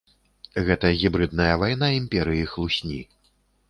Гэта гібрыдная вайна імперыі хлусні.